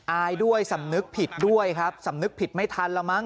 อายด้วยสำนึกผิดด้วยครับสำนึกผิดไม่ทันแล้วมั้ง